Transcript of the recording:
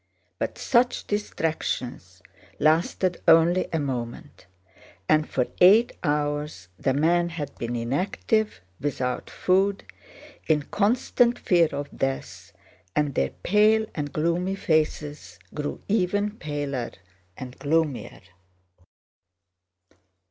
But such distractions lasted only a moment, and for eight hours the men had been inactive, without food, in constant fear of death, and their pale and gloomy faces grew ever paler and gloomier.